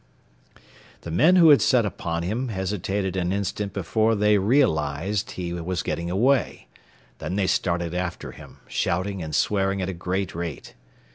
The men who had set upon him hesitated an instant before they realized he was getting away; then they started after him, shouting and swearing at a great rate.